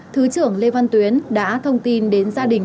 thứ trưởng lê văn tuyến đã thông tin đến gia đình